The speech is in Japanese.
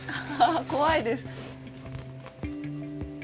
怖いです。